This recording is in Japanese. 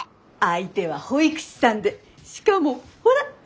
相手は保育士さんでしかもほら！